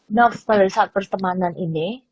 enough dari saat pertemanan ini